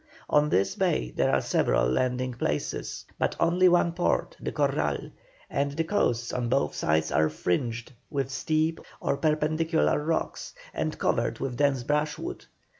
On this bay there are several landing places, but only one port, the Corral, and the coasts on both sides are fringed with steep or perpendicular rocks, and covered with dense brushwood.